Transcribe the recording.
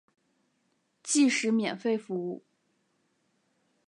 即使免费服务